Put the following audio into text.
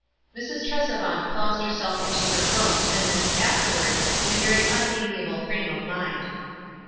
Mrs. Tresevant flounced herself into her room ten minutes afterward, in a very unamiable frame of mind.